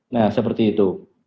nah seperti itu